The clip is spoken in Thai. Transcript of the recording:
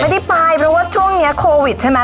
ไม่ได้เป็นที่ช่วงนี้โควิดใช่มั้ย